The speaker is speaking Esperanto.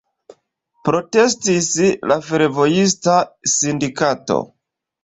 Protestis la fervojista sindikato.